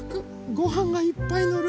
ごはんがいっぱいのる。